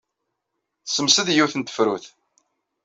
Tessemsed yiwet n tefrut.